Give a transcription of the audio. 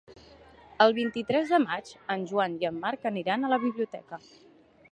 El vint-i-tres de maig en Joan i en Marc aniran a la biblioteca.